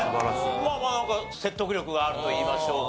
まあなんか説得力があるといいましょうか。